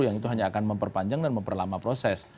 yang itu hanya akan memperpanjang dan memperlama proses